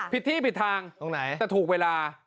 ผิดที่ผิดทางตรงไหนแต่ถูกเวลา